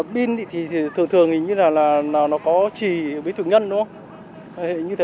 pin thì thường thường hình như là nó có trì bí thường nhân đúng không